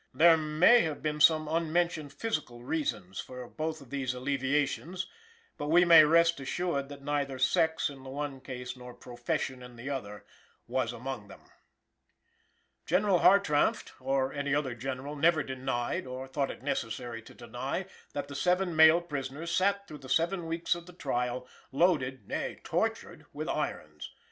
There may have been some unmentioned physical reasons for both of these alleviations, but we may rest assured that neither sex, in the one case, nor profession in the other, was among them. General Hartranft (or any other General) never denied, or thought it necessary to deny, that the seven male prisoners sat through the seven weeks of the trial, loaded, nay tortured, with irons.